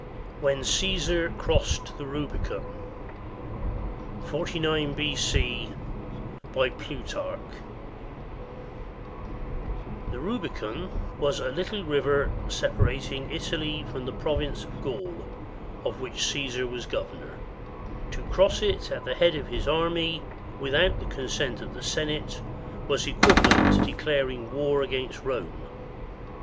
C.] BY PLUTARCH [The Rubicon was a little river separating Italy from the province of Gaul, of which Caesar was governor. To cross it at the head of his army without the consent of the Senate was equivalent to declaring war against Rome.